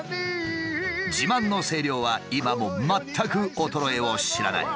自慢の声量は今も全く衰えを知らない。